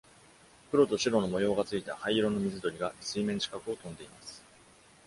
黒と白の模様が付いた灰色の水鳥が水面近くを飛んでいます。